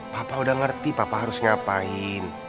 papa udah ngerti papa harus ngapain